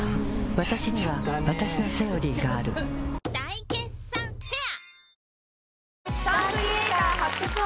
わたしにはわたしの「セオリー」がある大決算フェア